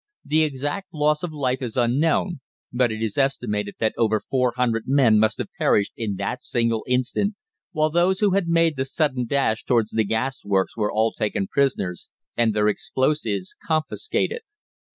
The exact loss of life is unknown, but it is estimated that over 400 men must have perished in that single instant, while those who had made the sudden dash towards the Gas Works were all taken prisoners, and their explosives confiscated.